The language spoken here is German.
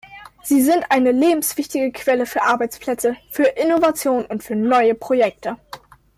Sie sind eine lebenswichtige Quelle für Arbeitsplätze, für Innovation und für neue Projekte.